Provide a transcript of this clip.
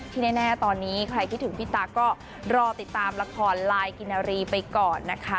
แน่ตอนนี้ใครคิดถึงพี่ตั๊กก็รอติดตามละครลายกินนารีไปก่อนนะคะ